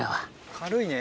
軽いね。